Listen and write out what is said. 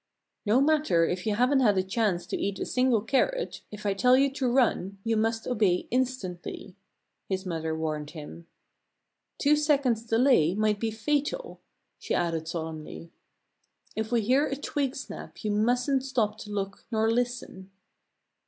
"No matter if you haven't had a chance to eat a single carrot, if I tell you to run you must obey instantly," his mother warned him. "Two seconds' delay might be fatal," she added solemnly. "If we hear a twig snap you mustn't stop to look nor listen."